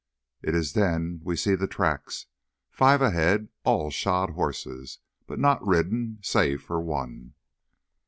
"It is then we see the tracks—five ahead—all shod horses, but not ridden, save for one."